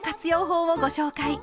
法をご紹介。